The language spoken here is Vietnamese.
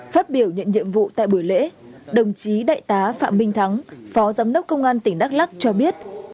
phát biểu nhận nhiệm vụ tại buổi lễ đồng chí đại tá phạm minh thắng phó giám đốc công an tỉnh đắk lắc cho biết